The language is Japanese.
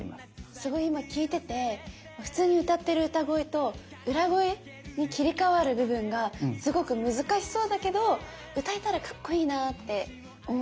すごい今聞いてて普通に歌ってる歌声と裏声に切り替わる部分がすごく難しそうだけど歌えたらかっこいいなって思いました。